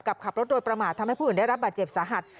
ขับรถโดยประมาททำให้ผู้อื่นได้รับบาดเจ็บสาหัส